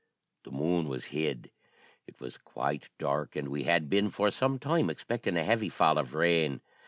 The moon was hid. It was quite dark, and we had been for some time expecting a heavy fall of rain.